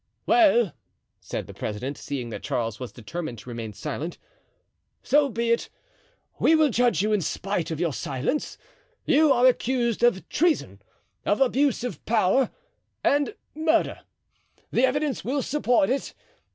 "Well," said the president, seeing that Charles was determined to remain silent, "so be it. We will judge you in spite of your silence. You are accused of treason, of abuse of power, and murder. The evidence will support it.